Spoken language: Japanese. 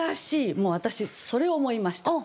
もう私それを思いました。